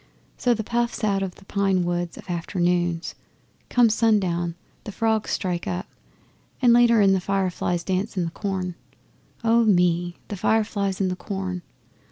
So's the puffs out of the pine woods of afternoons. Come sundown, the frogs strike up, and later on the fireflies dance in the corn. Oh me, the fireflies in the corn!